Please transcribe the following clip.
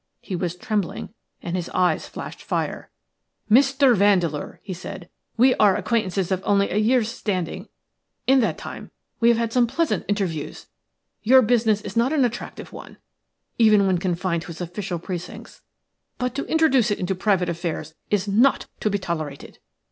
He was trembling, and his eyes flashed fire. "Mr. Vandeleur," he said, "we are acquaintances of only a year's standing; in that time we have had some pleasant interviews. Your business is not an attractive one, even when confined to its official precincts; but to introduce it into private affairs is not to be tolerated.